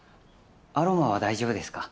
アロマは大丈夫ですか？